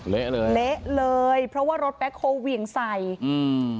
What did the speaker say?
เละเลยเละเลยเพราะว่ารถแบ็คโฮเหวี่ยงใส่อืม